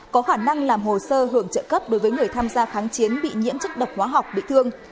có khả năng làm hồ sơ hưởng trợ cấp đối với người tham gia kháng chiến bị nhiễm chất độc hóa học bị thương